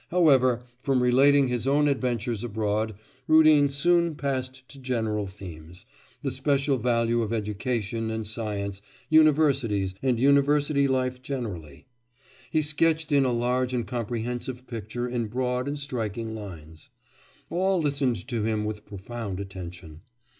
However, from relating his own adventures abroad, Rudin soon passed to general themes, the special value of education and science, universities, and university life generally. He sketched in a large and comprehensive picture in broad and striking lines. All listened to him with profound attention.